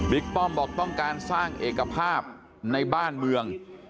ป้อมบอกต้องการสร้างเอกภาพในบ้านเมือง